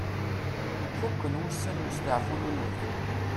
Fukken wussan n usteɛfu n unebdu.